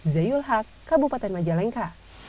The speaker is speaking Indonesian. zeyul hak kabupaten majalengka